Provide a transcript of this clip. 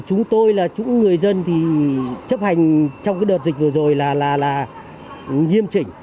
chúng tôi là chúng người dân thì chấp hành trong cái đợt dịch vừa rồi là nghiêm trình